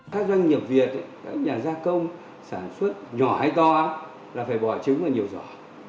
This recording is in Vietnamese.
các doanh nghiệp việt các nhà gia công sản xuất nhỏ hay to là phải bỏ trứng và nhiều giỏ